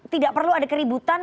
tidak perlu ada keributan